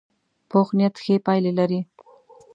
پوخ نیت ښې پایلې لري